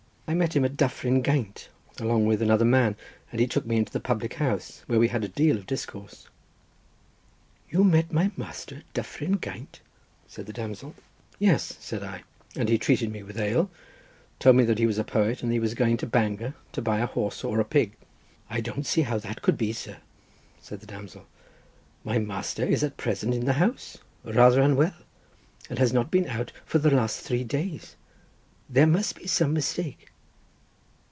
I met him at Dyffryn Gaint, along with another man, and he took me into the public house, where we had a deal of discourse." "You met my master at Dyffryn Gaint?" said the damsel. "Yes," said I, "and he treated me with ale, told me that he was a poet, and that he was going to Bangor to buy a horse or a pig." "I don't see how that could be, sir," said the damsel; "my master is at present in the house, rather unwell, and has not been out for the last three days. There must be some mistake."